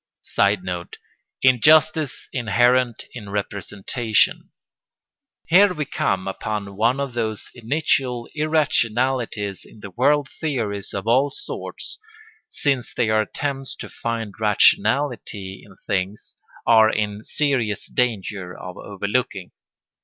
[Sidenote: Injustice inherent in representation] Here we come upon one of those initial irrationalities in the world theories of all sorts, since they are attempts to find rationality in things, are in serious danger of overlooking.